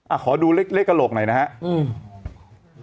อ่ะขอดูเลขกะโหลกหน่อยนะฮะ